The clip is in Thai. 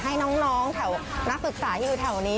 ให้น้องแถวนักศึกษาที่อยู่แถวนี้